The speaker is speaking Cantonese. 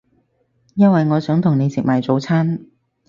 因為我想同你食埋早餐